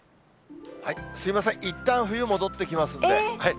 すみません、いったん冬戻ってきますんで。